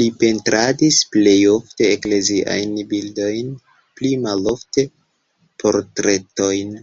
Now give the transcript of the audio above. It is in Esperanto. Li pentradis plej ofte ekleziajn bildojn, pli malofte portretojn.